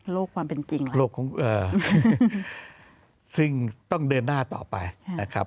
ความเป็นจริงซึ่งต้องเดินหน้าต่อไปนะครับ